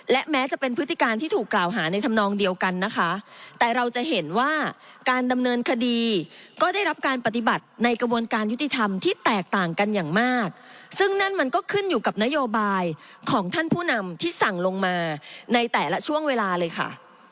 และแม้จะเป็นพฤติการที่ถูกกล่าวหาในธรรมนองเดียวกันนะคะแต่เราจะเห็นว่าการดำเนินคดีก็ได้รับการปฏิบัติในกระบวนการยุติธรรมที่แตกต่างกันอย่างมากซึ่งนั่นมันก็ขึ้นอยู่กับนโยบายของท่านผู้นำที่สั่งลงมาในแต่ละช่วงเวลาเลยค่ะ